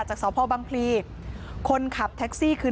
จากสพบังพลีคนขับแท็กซี่คือ